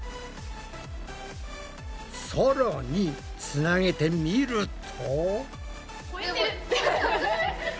さらにつなげてみると。